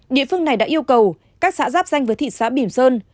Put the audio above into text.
địa phương này đã yêu cầu các xã giáp danh với thị xã bỉm sơn